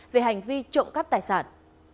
về hành vi trộm cắp tài sản